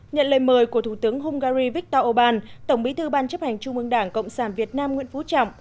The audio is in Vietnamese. nhận lời mời của thủ tướng hungary viktor orbán tổng bí thư ban chấp hành trung ương đảng cộng sản việt nam nguyễn phú trọng